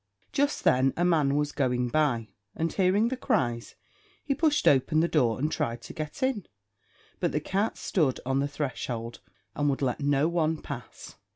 Just then a man was going by, and hearing the cries, he pushed open the door and tried to get in; but the cat stood on the threshold, and would let no one pass.